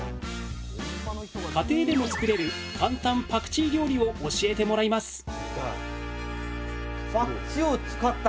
家庭でも作れる簡単パクチー料理を教えてもらいます！